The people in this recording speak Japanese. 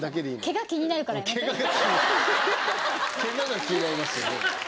ケガが気になりますよね。